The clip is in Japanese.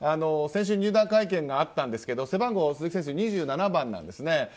先週、入団会見があったんですが鈴木選手背番号２７番なんですね。